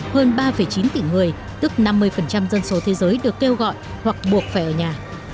hơn ba chín tỷ người tức năm mươi dân số thế giới được kêu gọi hoặc buộc phải ở nhà